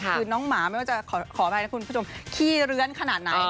คือน้องหมาไม่ว่าจะขออภัยนะคุณผู้ชมขี้เลื้อนขนาดไหน